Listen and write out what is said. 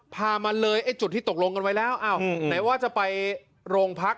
พามาเลยไอ้จุดที่ตกลงกันไว้แล้วอ้าวไหนว่าจะไปโรงพัก